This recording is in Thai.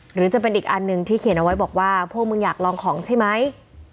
หรือจะเป็นอีกอันหนึ่งที่เขียนเอาไว้บอกว่าพวกมึงอยากลองของใช่ไหม